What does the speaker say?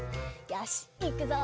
よしいくぞ。